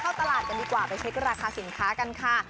เข้าตลาดกันดีกว่าไปเช็คราคาสินค้ากันค่ะ